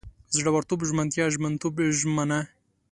زړورتوب، ژمنتیا، ژمنتوب، ژمنه